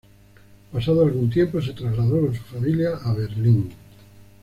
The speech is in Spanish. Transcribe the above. Pasado algún tiempo, se trasladó con su familia a Berlín.